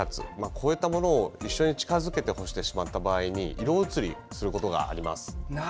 こういったものを近づけて干してしまった場合に色移りすることがあります。